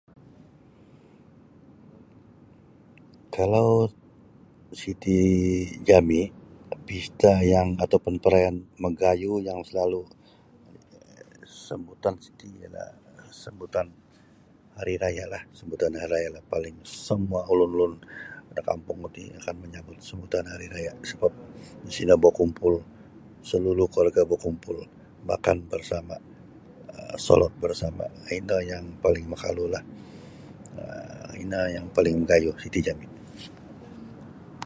Kalau siti jami pesta yang ataupun perayaan magayu yang salalu sambuton siti ialah sambutan hari raya lah sambutan hari raya lah paling semua ulun-ulun da kampung ku ti akan manyambut da sambutan hari raya sabab basino bakumpul seluruh keluarga bakumpul makan bersama um solat bersama um ino yang paling makalu lah um ino yang paling magayu siti jami.